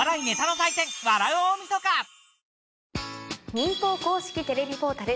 民放公式テレビポータル